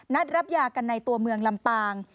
นัดรับยากันในตัวเมืองลำปาง